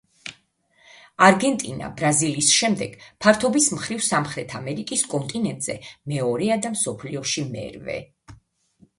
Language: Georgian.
არგენტინა, ბრაზილიის შემდეგ, ფართობის მხრივ სამხრეთ ამერიკის კონტინენტზე მეორეა და მსოფლიოში მერვე.